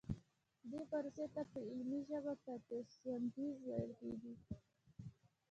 دې پروسې ته په علمي ژبه فتوسنتیز ویل کیږي